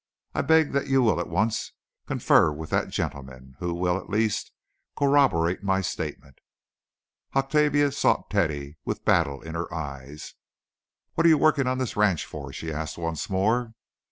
I beg that you that will at once confer with that gentleman, who will, at least, corroborate my statement." Octavia sought Teddy, with battle in her eye. "What are you working on this ranch for?" she asked once more.